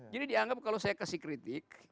jadi dianggap kalau saya kasih kritik